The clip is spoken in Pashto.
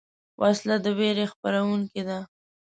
وسله د ویرې خپرونکې ده